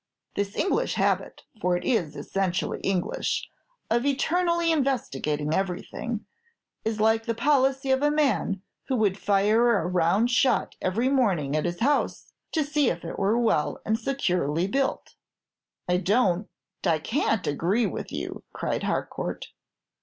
This English habit for it is essentially English of eternally investigating everything, is like the policy of a man who would fire a round shot every morning at his house, to see if it were well and securely built." "I don't, I can't agree with you," cried Harcourt.